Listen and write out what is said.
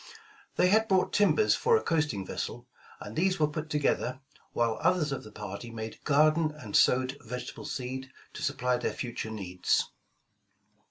They had brought tim bers for a coasting vessel, and these were put together, while othei^ of the party made garden and sowed vegetable seed, to supply their future needs.